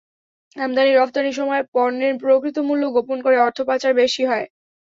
আমদানি-রপ্তানির সময় পণ্যের প্রকৃত মূল্য গোপন করে অর্থ পাচার বেশি হয়।